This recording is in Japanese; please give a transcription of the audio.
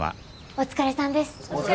お疲れさまです。